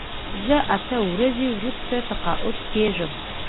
زه اته ورځې وروسته تقاعد کېږم.